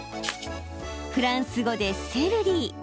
フランス語でセルリー。